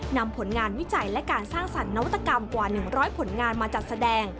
นำผลงานวิจัยและการสร้างสรรคนวัตกรรมกว่า๑๐๐ผลงานมาจัดแสดง